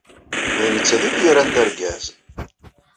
D nettat ay t-yerran d argaz.